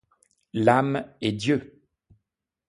L'âme et Dieu !